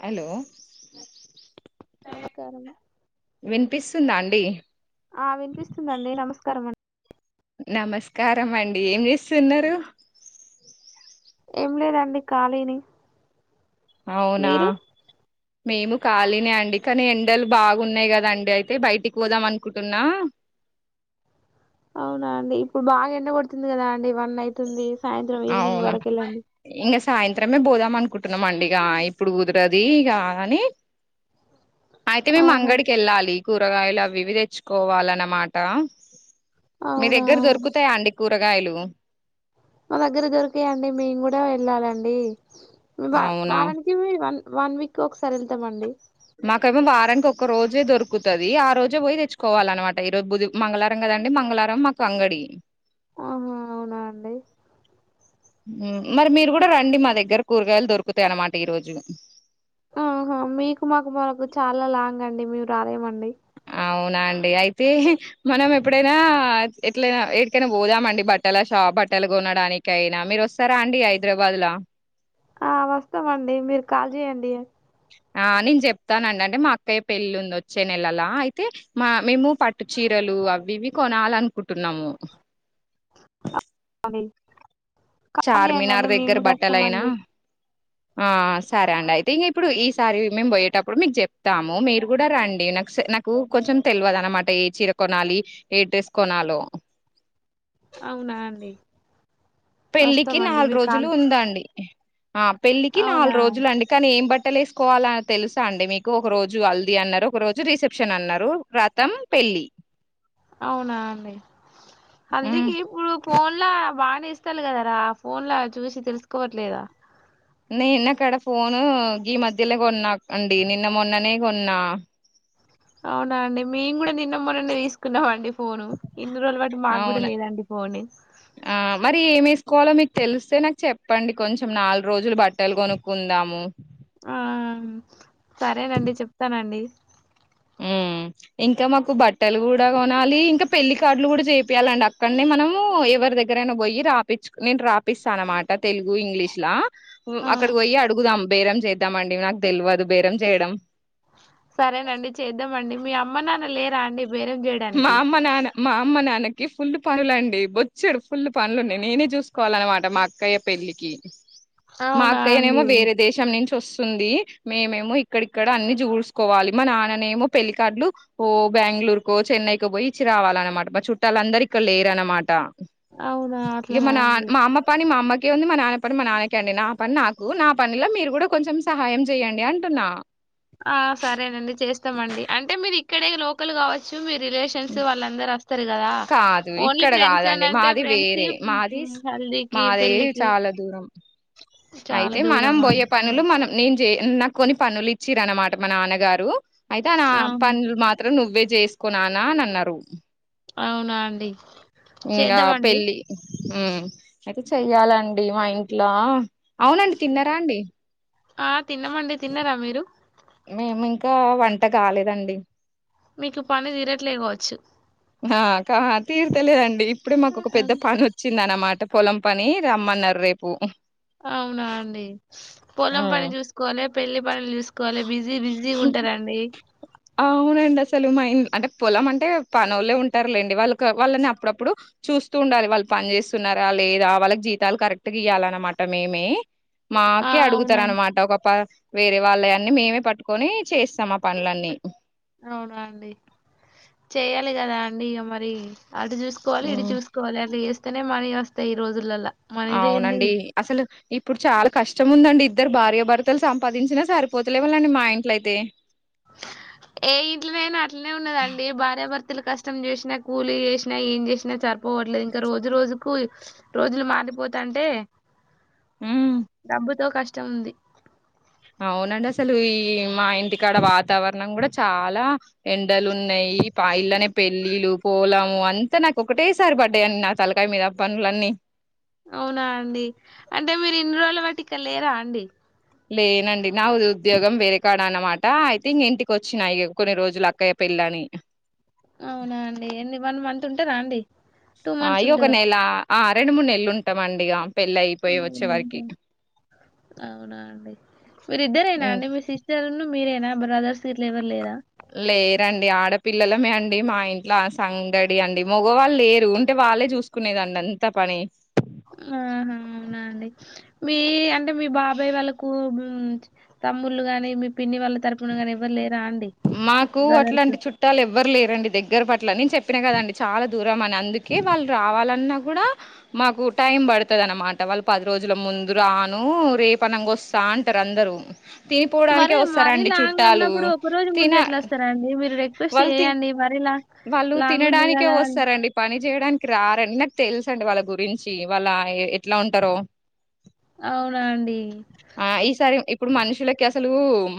Hello నమస్కారం పిస్తుందా అండి ఆ వినిపిస్తుందండి నమస్కారం అండి నమస్కారం అండి ఏం చేస్తున్నారు ఏం లేదండి ఖాళీని అవునా మీరు మేము ఖాలీ నే అండి కానీ ఎండలు బాగున్నాయి కదండి అయితే బయటికి పోదాం అనుకుంటున్నా అవునా అండి ఇప్పుడు బాగా ఎండ కొడుతుంది కదా అం డి వన్ అయితుంది సాయంత్రం ఈవినింగ్ అవునా వరకు వెళ్ళండి ఇంగ సాయంత్రమే పోదాం అనుకుంటున్నాం అండి ఇగ ఇప్పుడు కుదిరది ఇగ అని అయితే మేము ఆహా అంగడి కేల్లాలి కూరగాయలు అవి ఇవి తెచ్చుకోవాలనమాట మీ అవునా దగ్గర దొరుకుతాయా అండి కూరగాయలు మా దగ్గర దొరకయి అండి మేము కూడా వెళ్ళాలండి వా అవునా వారానికి వన్ వన్ వీక్ కి ఒకసారి వెళ్తామండి మాకేమో వారానికి ఒక రోజే దొరుకుతది ఆ రోజే పోయి తెచ్చుకోవాలన్నమాట ఈరోజు మంగళవారం కదండి మంగళవారం మాకు అంగడి ఆహా అవునా అండి మరి మీరు కూడా రండి మా దగ్గర కూరగాయలు దొరుకుతాయి అన్నమాట ఈరోజు ఆహా మీకు మాకు మరకు చాలా లాంగ్ అండి మేము రాలేమండి అవునాండి అయితే మనం ఎప్పుడైనా అట్లయిన ఎటికైనా పోదామండి బట్టల షా బట్టలు కొనడానికయినా మీరు వస్తారా అండి హైదరాబాద్ ల ఆ వస్తామండి మీరు కాల్ చేయండి ఆ నేను చెప్తానండి అంటే మా అక్కయ్య పెళ్ళి ఉంది వచ్చే నెలలా అయితే మా మేము పట్టు చీరలు అవి ఇవి కొనాలనుకుంటున్నాము హ్ చార్మినార్ దగ్గర బట్టలయినా వస్తామండి ఆ సరే అండి అయితే ఇంగ్ ఇప్పుడు ఈసారి మేము పోయేటప్పుడు మీకు చెప్తాము మీరు కూడా రండి నాకు నాకు కొంచెం తెలియదు అన్నమాట ఏ చిర కొనాలి ఏ డ్రెస్ కొనాలో అవునా అండి పెళ్ళికి వస్తామండి నాలుగు మీరు కాల్ రోజులు ఉందండి ఆ పెళ్ళికి అవునా నాలుగు రోజులు అండి కానీ ఏం బట్టి బట్టలు వేసుకోవాల తెలుసా అండి మీకు ఒక రోజు హల్దీ అన్నారు ఒక రోజు రిసెప్షన్ అన్నారు రతం పెళ్ళి అవునా అండి హల్దీ కి పూలు ఫోన్లా బాగానే ఇస్తి కదరా ఫోన్లా చూసి తెలుసుకోవట్లేదా నేను అక్కడ ఫోను ఈ మధ్యలో కొన్నా అండి నిన్న మొన్ననే కొన్నా అవునా అండి మేము కూడా న మ నుం తీసుకున్నామండి ఫోను ఇన్ని రోజుల పాటు మాకు కూడా అవును లేదండి ఫోన్ కోలో మీకు తెలిస్తే నాకు చెప్పండి కొంచెం నాలుగు రోజులు బట్టలు కొనుక్కుందాము ఆ సరేనండి చెప్తానండి ఇంకా మాకు బట్టలు కూడా కొనాలి ఇంకా పెళ్ళికార్డులు కూడా చేపియాలండి అక్కడనే మనము ఎవరి దగ్గరైనా పోయి రాపిచ్చు నేను రాపిస్తాను అనమాట తెలుగు ఇంగ్లీష్లా ఆ అక్కడికి పోయిి అడుగుదాం బేరం చేద్దామండి నాకు తెలియదు బేరం చేయడం సరేనండి చేద్దామండి మీ అమ్మ నాన్న లేరా అండి బేరం మా చేయడానికి అమ్మ నాన్న మా అమ్మ నాన్నకి ఫుల్లు పనులండి బొచ్చాడ్ ఫుల్ పనులు ఉడి నేనే చూసుకోవాలన్నమాట మా అక్కయ్య పెళ్లిికి మా అవునా అక్కయనేమో అండి వేరే దేశం నుంచి వస్తు ంది మేమేమో ఇక్కడక్కడ అన్ని చూసుకోవాలి మా నాన్ననేమో పెళ్లిికార్డ్లు ఓ బెంగళూరు కో చెన్నైకి పోయి ఇచ్చి రావాలన్నమాట మా చుట్టాలు అందరి ఇక్కడ లేరునమాట అవునా ఇక అట్లనా మన అండి మా అమ్మ పాని మా అమ్మ కే ఉంది మా నాన్న పని మా నాన్నకే అండి నా పని నాకు నా పనిలో మీరు కూడా కొంచెం సహాయం చెయండి అంటున్నా ఆ సరేనండి చేస్తామండి అంటే మీరు ఇక్కడే లోకల్ కావచ్చు మీ రిలేషన్స్ వాళ్ళందరు వస్తారు కదా కాదు ఓన్లీ ఇక్కడ ఫ్రెండ్స్ అని కాదండి అంటే మాది ఫ్రెండ్స్ వేరే మాది హల్దీకి మాది పెళ్ళికి చాలా దూరం చాలా అయితే మనం దూరమా పోొయే అండి? పనులు మనం నేను చే నాకు కొన్ని పనులు ఇచ్చర అన్నమాట మా నాన్నగారు అయితే నా ఆహా! పనులు మాత్రం నువ్వే చేసుకున్నానా అని అన్నారు. అవునా అండి చేద్దామండి. ఊ అయితే చెయ్యాలండి మా ఇంట్లో అవునండి తిన్నారా అండి. ఆ తిన్నామండి తిన్నారా మీరు మేము ఇంకా వంట కాలేదండి మీకు పని తీరట్లేకోవచ్చు ఆ కతీరు తెలిదండి. ఇప్పుడే మాకు ఒక పెద్ద పని వచ్చి ఉంద అన్నమాట పొలం పని రమ్మన్నారు రేపు. అవునా అండి పొలం పని ఉమ్ జూస్కోలే పెళ్ళి పనులు చూసుకోవాలి బిజీ బిజీ ఉంటారండి. అవునండి అసలు మ అంటే పొలం అంటే పనోళ్ళ ఉంటారులేండి. వాళ్ళకి వాళ్ళని అప్పుడప్పుడు చూస్తూ ఉండాలి. వాళ్ళు పని చేేస్తున్నారా, లేదా వాళ్ళకి జీతాలు కరెక్ట్గా ఇయ్యాల అన్నమాట మేమే. ఆ! మాకే అడుగుతార అవునండి. అనమాట ఒక పా వేరే వాళ్లే న్న మేమే పట్టుకొని చేయిస్తాం ఆ పనులన్నీ అవునా అండి చెయ్యాలి కదా అండి ఇగమరి. అటు చూసుకోవాలి, ఇటు హ్మ్. చూసుకోవాలి అట్లా చేస్త నే మనీ వస్తాయి ఈ రోజులలా అవునండి అసలు ఇప్పుడు చాలాకష్టం ఉందండి. ఇద్దరు భార్యభర్తలు సంపాదించినా సరిపోతలేవాళ్ళండి మా ఇంట్లయితే. ఏ ఇంట్లోనైనా అట్లనే ఉన్నదండి. భార్యాభర్తలు కష్టం చేసినా, కూలీ చేసినా, ఏం చేసినా సరిపో పోవట్లేదు ఇంకా రోజు రోజుకు రోజులు మారిపోతాంటే హ్మ్. డబ్బుతో కష్టం వుంది అవునండి అసలు ఈ మా ఇంటికాడ వాతావరణం కూడా చాలా ఎండలు ఉన్నాయి. పా ఇల్లనే పెళ్ళిళ్లు పొలము అంతా నాకు ఒకటేసారి పడ్డాయి అండి నా తలకాయ మీద పనులన్నీ. అవునా అండి అంటే మీరు ఇన్ని రోజుల వాటి ఇక్కడ లేరా అండి లేనండి నా ఉ ఉద్యోగం వేరే కాడ అన్నమాట. అయితే ఇంటికి వచ్చినా ఇగ కొన్ని రోజులు అక్కయ్య పెళ్ళ అని. అవునా అండి ఎన్ని వన్మంత్ ఉంట టు రండి అ అయ్యో ఒక నెల, ఆ రెండు మూడు నెలలు ఉంటామండి. ఇగాం అవుంత అవునా అండి మీరు ఇద్దరేనా ఇం అండి మీ సిస్టర్ ను మీరేనా బ్రదర్ లేరండి ఆడ పి పిల్లలమే అండి మా ఇంట్లో సంగడి అండి మగవాళ్ళు లేరు ఉంటే వాళ్ళే చూసుకునేదండి అంత పని ఆహా అవునా అండి మీ అంటే మీ బాబాయ్ వాళ్ళకు ఊ తమ్ముళ్లు గాని మీ పిన్ని వాళ్ళ తరపునగానీ ఎవరు లేరా అండి మాకు బ్రదర్స్. అట్లాంటి చుట్టాలు ఎవ్వరు లేరండి దగ్గర పట్ల నేను చెప్పినా కదండి చాలా దూరం అని అందుకే వాళ్ళు రావాలన్నా కూడా మాకు టైం పడుతది అనమాట వాళ్ళు పది రోజుల ముందు రాను రేప అనంగా వస్తా అంటారు అందరు తినిపోవడానికే మరి మరీ వస్తారండి లాంగ్ చుట్టాలు అన్నప్పుడు ఒకరోజు తిన ముందు ఎట్లా వస్తారండి మీరు రిక్వెస్ట్ వాళ్ళు తి చేయండి మరిలా వాళ్ళు తినడానికే వస్తారండి పని చేయడానికి రారండి నాకు తెలుస అండి వాళ్ళ గురించి వాళ్ళ ఎట్లా ఉంటారో అవునా అండి. ఆ ఈసారి ఇప్పుడు మనుష ు అసలు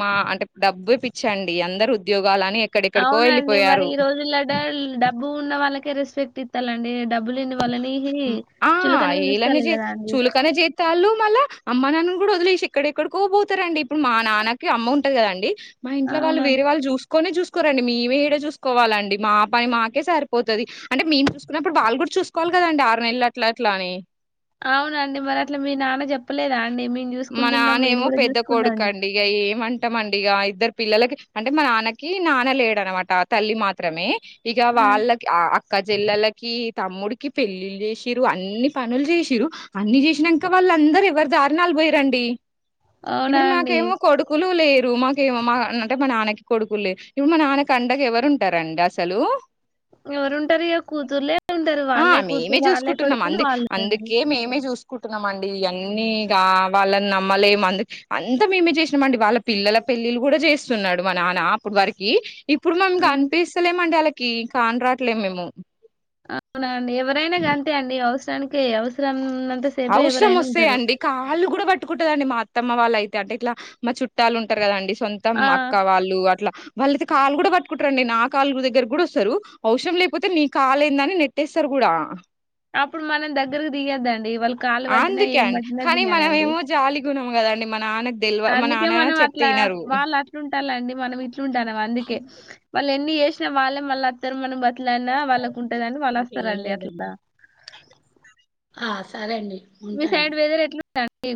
మా అంటే డబ్బు పిచ్చండి అందరు ఉద్యోగ వాలని ఎక్కడెక్కడికో అవునండి. మరి వెళ్ళిపోయారు ఈ రోజుల్లో డబ్బు ఉన్న వాళ్ళే రెస్పెక్ట్ ఇస్తాలండి డబ ఆ ఏలానే చూస్తాల్లు చే గదా అండి. చూలుకనే చేతలు మళ్ళా అమ్మ నన్న ఇప్పుడు వదిలేసి ఎక్కడెక్కడుకోపోతారండి ఇప్పుడు మా నాన్నకి అమ్మ ఉంటాయి కదండి మా ఇంట్లో వాళ్ళు అవునండి. వేరేళ్ళ చూస్త కొనే చూసుకోరండి మేమేడే చూసుకోవాలండి మా పని మాకే సరిపోతుది అంటే మేము చూసుకున్నప్పుడు వాళ్ళు కూడా చూ కోిలీ కదండి ఆరు నెలలు అట్లా అట్లా అని అవునండి మరి అట్లా మీ నాన్న చెప్పలేద మా నాన్నమో పెద్ద కొడుక అండి ఇక ఏమంటామండి ఇక ఇద్దరు పిల్లలకి అంటే మా నాన్నకి నాన్న లేడనమాట తల్లి మాత్రమే ఇక ఆ! వాళ్ళకి అక్క చెల్లలకి తమ్ముడికి పెళ్ళిళ్ళ చేసిరు అన్ని పనులు చేసిరు అన్ని చేసినాక వాళ్ళందరు ఎవరి దారి నలబోయ రండి అవునా ఇప్పుడు అండి. మాకేమో కొడుకులు లేరు మాకేో మా అంటే మా నాన్నకి కొడుకు లే ఇప్పుడు మా నాన్నకి అండగ ఎవరు ఉంటారండి అసలు ఎవరుంటారు ఇక కూతుర్లే ఉంటారు. ఆ వాళ్ళే కూతురు, మేమే వాళ్ళే చూసుకుంటున్నాం కొడుకులు అందు వాళ్ళే అండి. అందుకే మేమే చూసుకుం కుంటున్నామ అండి ఇవన్నీగా వాళ్ళని నమ్మలే అందు అంత మేమే చేసినామండి వాళ్ళ పిల్లల పెళ్ళిళ కూడా చేస్తున్నాడు మన అన అప్పుడు వారికి ఇప్పుడు మనం హ్మ్. కనిపిస్తలేమండి అలా క కాన రాట్లే మేము అవునండి ఎవరైనా అంతే అండి టానికే అవసరం అవసరం వస్తాయండి కాళ్ళు కూడా పట్టుకుంటదండి మా అత్తమ్మ వాళ్ళయితే అంటే ఇట్లా మా చుట్టాలు ఉంటారు కదండి సొంతం ఆ! అక్క వాళ్ళు అట్లా వాళ్ళతే కాళ్ కూడా పట్టుకుంటారంండి నా కాళ్ళ దగ్గర కూడా వస్తారు అవషరం లేకపోతే నీ కాలు ఏందని నెట్టేస్తారు కూడా అప్పుడు మనం దగ్గరకు తీయొద్దండి అందుకే అండి కానీ మనం ఏమో జాలి గున కదండీ మా నాన్న తెల్వ మా అందుకే మనం చెప్తే అట్లా ఇనరు వాళ్ళు అట్లుంట టాలండి మనం ఇట్లా ఎట్లా ఉండునావ అందుకే వాళ్ళు ఎన్ని చేసిన వాళ్ళే మళ్ళ వస్తారు మనం బతిలడిన వాళ్ళ ఉంటదని వాళ్ళు వస్తారంండి అట్లా సరే అండి మీ సైడ్ వెదర్ ఎట్లా ఉండండి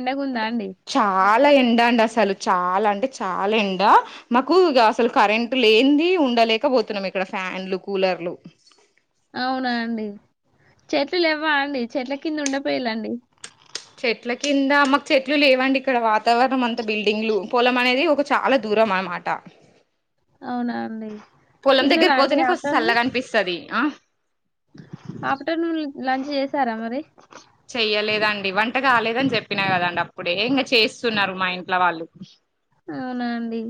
ఎండగా ఉందా అండి చాలా ఎండ అండి అసలు చాలా అంటే చాలా ఎండ మాకు అసలు కరెంట్ లేంది ఉండలేకపోతున్నాము ఇక్కడ ఫ్యాన్లు కూలర్లు అవునా అండి చెట్లులువ్వ అండి చెట్ల కింద ఉండిపోయలాండి చెట్ల కింద మాకు చెట్లు లేవండి ఇక్కడ వాతావరణం అంతా బిల్డింగ్లు పొలం అనేది ఒక చాలా దూరం అనమాట అవునా అండి పొలం దగ్గర తిన్నారా అండి కోతేనే కొంచం ఆఫ్టర్నూన్ చల్లగా అనిపిస్తుది ఆ ఆఫ్టర్నూన్ లంచ్ చేసారా మరి చెయ్యలేదండి వంట కాలేదని చెప్పినా కదండి అప్పుడే ఇంకా చేస్తున్నారు మా ఇంట్లో వాళ్ళు అవునా అండి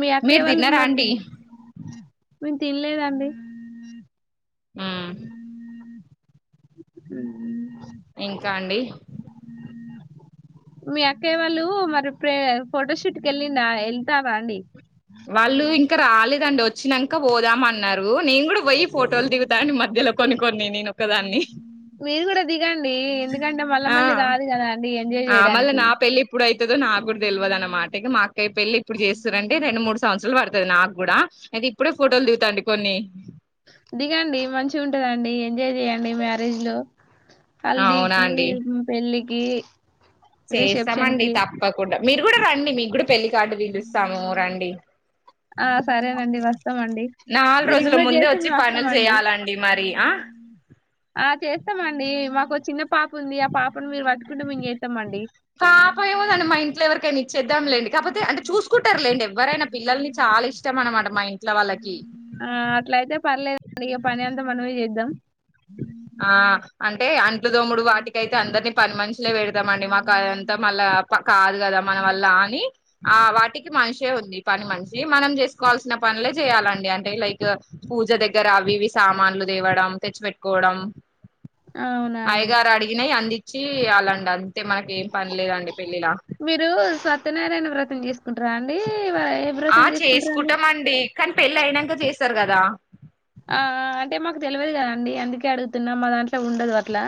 మీ అక్కే మీరు వాళ్ళు తిన్నారా మరి అండి మేము తినలేదండి ఆ ఉమ్ ఇంకా అండి మీ అక్కయ్య వాళ్ళు మరి ప్రే ఫొటో షూట్ క వెళ్ళిన వెళ్తారా అండి వాళ్ళు ఇంకా రాలేదు రండి వచ్చినాక పోదామ అన్నారు నేను కూడా పోయి ఫోటోలు దిగుతా మధ్యలో కొన్ని కొన్ని నేనుొ ఒకదాన్ని మీరు కూడా ది ఆ అండి ఎంజాయ్ ఆ మల్లా చేయడానికి నా పెళ్లి ఎప్పుడు అవుతుందో నాకు కూడా తెలివదు అన్నమాట ఇక మాక్ పెల్లి ఇప్పుడు చేస్తారంటే రెండు మూడు సంవత్సరాలు పడుతుది నాకు కూడా అయితే ఇప్పుడే ఫోటోలు దిగుతండి కొన్ని దిగండి మంచి ఉంటదండి ఎంజాయ్ చేయండి మ్యారేజ్ లో అవునా హల్దికి అండి పెళ్లికి ఈ చేస్తామండి తప్పకుండా మీరు కూడా రండి మీ కూడా పెళ్లి కార్డు పిలుస్తాము రండి ఆ సరేనండి వస్తామండి నాలుగు మీరు రోజుల ఇన్వైట్ ముందే చేస్తే వచ్చి మేము పనులు వస్తామండి చేయాలండి మరి ఆ ఒక చిన్న పాప ఉంది ఆ పాపను మీరు పట్టుకుంటే మేము చేస్తాంమండి పాప ఏవారండి మా ఇంట్ల ఎవరకనీ చేద్దాం లేండి కాకపోతే అంటే చూసు కుటర్లేండ్ ఎవరైనా పిల్లల్ని చాలా ఇష్టం అనమాట మా ఇం ఆ అట్ల అయితే పర్లేదండి ఇక పని అంతా మనమే చేద్దాం ఆ అంటే అంట్లు తోముడు వాటికైతే అందరిని పని మషులే పెడదామ అండి మాకు అదంతా మళ్ళా పా కాదు కదా మన వల్ల అని ఆ వాటికి మనిషే ఉంది పని మనిషి మనం చేసుకోవాల్సిన పనులే చేయాలండి అంటే లైక్ పూజ దగ్గర అవి ఇవి సామాన్లు తేవడం తెచ్చిపెట్టుకోవడం అవునా అండి అయగారు అడిగినాయి అంది చి అలాండా అయితే మనక ఏం పని లేదండి పెళ్ళిలా మీరు సత్యనారాయణ వ్రతం చేసుకుంటారా అండి ఏ ఆ వ్రతం చేసుకుంటారా అండి చేసుకుంటామన్డి కానీ పెళ్ళి అయినాక చేస్తారు కదా ఆ అంటే మాకు తేల్వదు కదా ఆండీ అందుకే అడుగుతున్నాం మా దాంట్లో ఉండదు అట్ల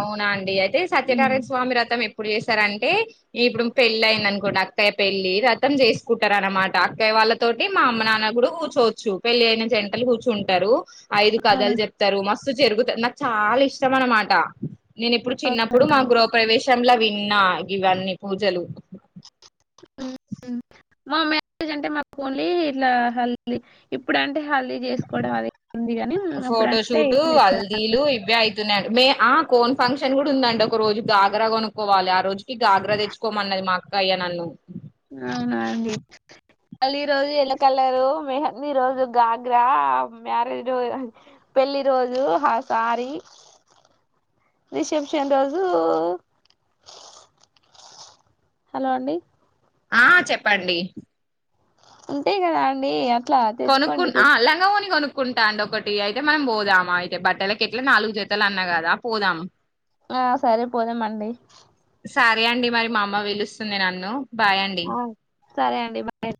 అవునా అండి అయితే సత్యనారాయణ స్వామి వ్రతం ఎప్పు ఏప్పుడు చేసారంటే ఇప్పుడు పెళ్లి అయింది అనుకోండి అక్కయ్య పెళ్ళి రతం చేసుకుంటారు అనమాట అక్కయ్య వాళ్ళతోటి మా అమ్మ నాన్న కూడా కూర్చోచ్చు పెళ్లి అయినా జంటలు కూర్చుం ఉంటారు ఐదు అవునా కథలు చెప్తారు మ జరుగుతంది నాకు చాలా ఇష్టం అనమాట నేను ఇప్పుడు చిన్నప్పుడు మా గృహ ప్రవేశ లా విన్నా ఇవన్నీ పూజలు అవు మా మ్యారేజ్ అంటే మాకు ఓన్లీ ఇట్లా హల్లి ఇప్పుడుంటే అప్పుడు అంటే ఫోటోషూట్ ఏం లేదు. హల్దీలు ఇవే అవుతున్నాయంండి మే ఆ కోన్ ఫంక్షన్ కూడా ఉందండి ఒక రోజు గాగరా కొనుక్కోవాలి ఆ రోజుకి గాగ్రా తెచ్చుకోమన్నది మా అక్కయ్య నన్ను అవునాండి మళ్ళీ రోజు ఎల్లో కలరు మెహీ రోజు గాగ్రా మ్యారేజ్ పెళ్లి రోజు హసారి రిసెప్షన్ రోజు హలో అండి ఆ చెప్పండి అంతే కదా అండి అట్లా కొనుకు తెచ్చుకోండి ఆ లంగాఓని కొనుకు కుంటా అండి ఒకటి అయితే మనం పోదామా అయితే బట్టలక ఎట్ల నాలుగు జతలు అన్నా కదా పోదాం ఆ సరే పొడమండి సరే అండి మరి మా అమ్మ పిలుస్తుంది నన్ను బాయ్ అండి ఓ సరే అండి బాయ్